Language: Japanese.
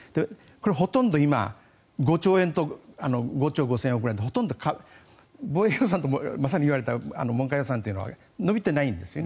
ほとんど今、５兆円５兆５０００億円くらいでほとんど防衛予算とまさに言われた文科予算は伸びていないんです。